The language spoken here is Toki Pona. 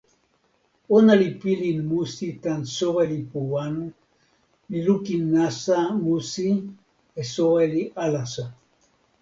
ona li pilin musi tan soweli Puwan, li lukin nasa musi e soweli alasa.